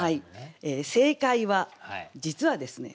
正解は実はですね